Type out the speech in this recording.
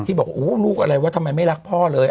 บอกโอ้ลูกอะไรวะทำไมไม่รักพ่อเลย